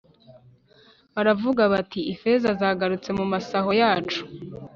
baravuga bati Ifeza zagarutse mu masaho yacu